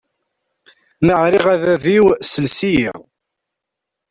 Ma ɛriɣ a bab-iw, ssels-iyi!